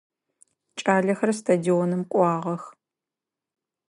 Кӏалэхэр стадионым кӏуагъэх.